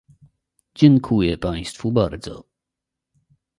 Dziękuję państwu bardzo